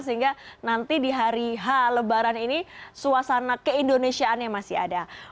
sehingga nanti di hari h lebaran ini suasana keindonesiaannya masih ada